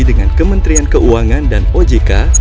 dengan kementerian keuangan dan ojk